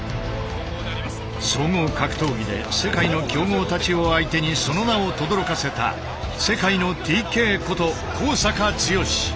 総合格闘技で世界の強豪たちを相手にその名をとどろかせた世界のＴＫこと阪剛。